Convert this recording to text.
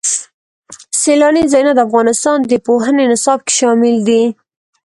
سیلانی ځایونه د افغانستان د پوهنې نصاب کې شامل دي.